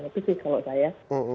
itu sih kalau saya